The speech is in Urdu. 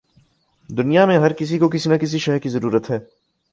دنیا میں ہر کسی کو کسی نہ کسی شے کی ضرورت ہے